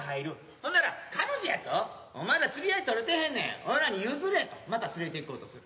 ほんなら「彼女やと？お前ら釣り合い取れてへんねん。俺らに譲れ」とまた連れていこうとする。